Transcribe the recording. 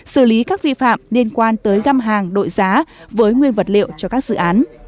xử lý các vi phạm liên quan tới găm hàng đội giá với nguyên vật liệu cho các dự án